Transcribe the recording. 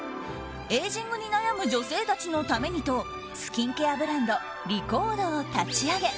エイジングに悩む女性たちのためにとスキンケアブランドＲｅ：ＣＯＤＥを立ち上げ